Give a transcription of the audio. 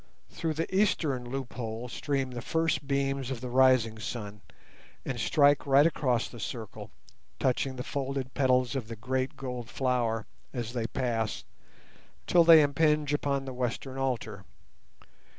Through the eastern loophole stream the first beams of the rising sun, and strike right across the circle, touching the folded petals of the great gold flower as they pass till they impinge upon the western altar.